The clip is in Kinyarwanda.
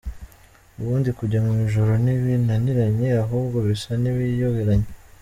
Ubundi kujya mu ijuru ntibinaniranye ahubwo bisa n’ibiyoberanye.